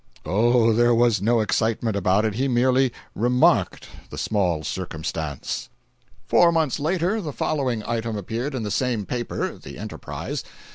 Oh, there was no excitement about it—he merely "remarked" the small circumstance! Four months later the following item appeared in the same paper (the Enterprise).